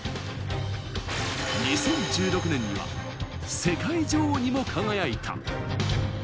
２０１６年には世界女王にも輝いた。